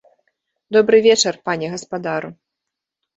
Добры вечар, пане гаспадару.